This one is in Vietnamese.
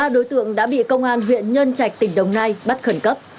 ba đối tượng đã bị công an huyện nhân trạch tỉnh đồng nai bắt khẩn cấp